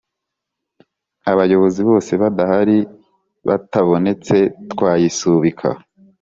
Abayobozi bose badahari batabonetse twayisubika